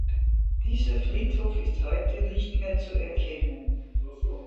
Dieser Friedhof ist heute nicht mehr zu erkennen.